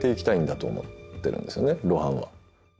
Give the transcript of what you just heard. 露伴は。